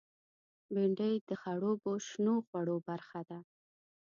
بېنډۍ د خړوبو شنو خوړو برخه ده